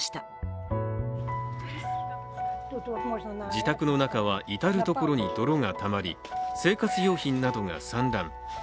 自宅の中は至る所に泥がたまり生活用品などが散乱。